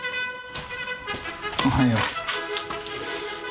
おはよう。